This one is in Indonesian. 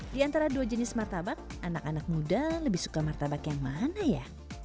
di antara dua jenis martabak anak anak muda lebih suka martabak yang mana ya